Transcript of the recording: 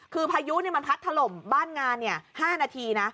คือพายุมันพัดถล่มบ้านงาน๕นาทีนะ